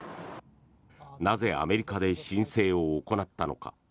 なぜ、アメリカで申請を行ったのか。